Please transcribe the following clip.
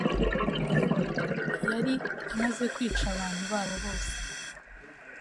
yari amaze kwica abantu babo bose